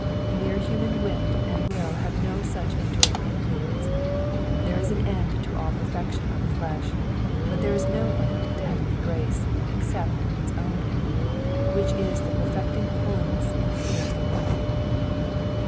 Mere human wit and will have no such enduripg in fluence : there is an end to all perfection of the flesh, but there is no end to heavenly grace except its own end, which is the perfecting of holiness in the fear pf the Lord.